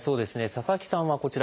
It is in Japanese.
佐々木さんはこちら。